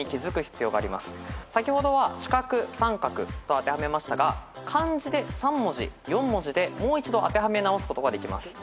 先ほどは「しかく」「さんかく」と当てはめましたが漢字で３文字４文字でもう一度当てはめ直すことができます。